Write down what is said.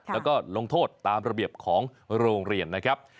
แล้วก็ลงโทษตามระเบียบของโรงเรียนนะครับ